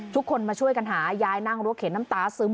ทุกคนมาช่วยกันหายายนั่งรถเข็นน้ำตาซึม